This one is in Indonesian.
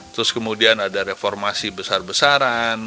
terus kemudian ada reformasi besar besaran